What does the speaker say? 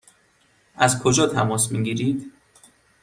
از کجا تماس می گیرید؟